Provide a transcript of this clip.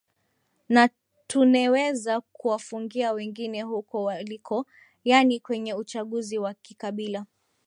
na tuneweza kuwafungia wengine huko waliko yaani kwenye uchaguzi wa kikabila